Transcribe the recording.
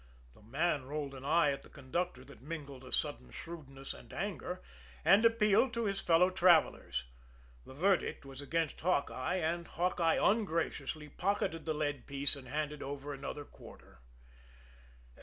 The man rolled an eye at the conductor that mingled a sudden shrewdness and anger, and appealed to his fellow travellers. The verdict was against Hawkeye, and Hawkeye ungraciously pocketed the lead piece and handed over another quarter.